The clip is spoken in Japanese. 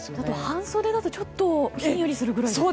半袖だとひんやりするぐらいですか。